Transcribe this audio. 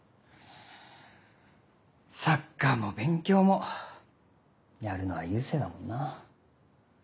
サッカーも勉強もやるのは佑星だもんな。